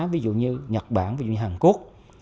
ví dụ như nhật bản ví dụ như hàn quốc